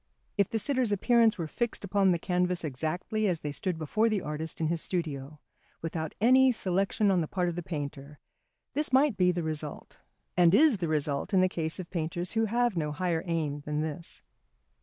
If the sitter's appearance were fixed upon the canvas exactly as they stood before the artist in his studio, without any selection on the part of the painter, this might be the result, and is the result in the case of painters who have no higher aim than this.